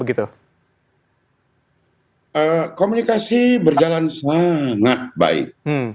komunikasi berjalan sangat baik